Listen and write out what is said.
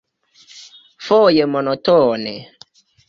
Foje monotone.